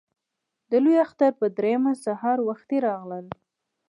د لوی اختر په درېیمه سهار وختي راغلل.